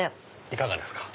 いかがですか？